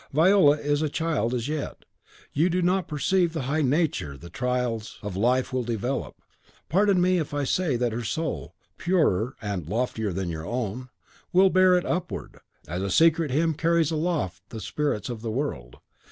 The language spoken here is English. Viola is a child as yet; you do not perceive the high nature the trials of life will develop. Pardon me, if I say that her soul, purer and loftier than your own, will bear it upward, as a secret hymn carries aloft the spirits of the world.